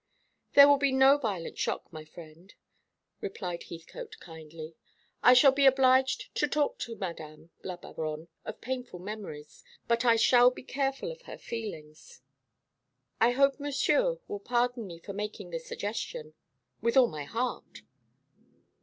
"There will be no violent shock, my friend," replied Heathcote kindly. "I shall be obliged to talk to Mdme. la Baronne of painful memories, but I shall be careful of her feelings." "I hope Monsieur will pardon me for making the suggestion." "With all my heart."